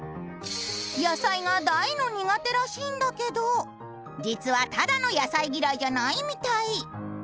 野菜が大の苦手らしいんだけど実はただの野菜嫌いじゃないみたい。